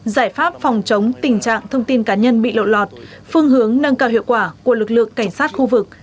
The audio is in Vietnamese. giải pháp phòng chống tình trạng thông tin cá nhân bị lộ lọt phương hướng nâng cao hiệu quả của lực lượng cảnh sát khu vực